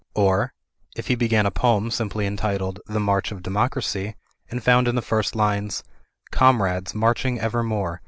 Or, if he began a poem simply entitled, "The March of Democracy," and found in the first lines — "Comrades, marching evermore.